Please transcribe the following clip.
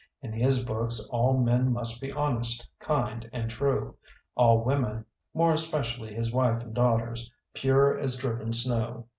In his books all men must be honest, kind, and true; all women, more especially his wife and daughters, pure as driven snow.